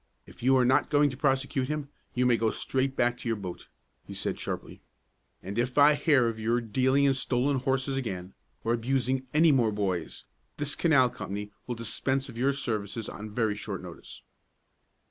If you are not going to prosecute him, you may go straight back to your boat," he said sharply. "And if I hear of your dealing in stolen horses again, or abusing any more boys, this canal company will dispense with your services on very short notice."